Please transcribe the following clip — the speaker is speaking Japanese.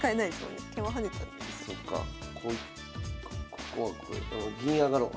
ここここ銀上がろう。